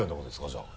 じゃあ。